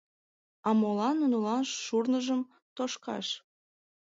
— А молан нунылан шурныжым тошкаш?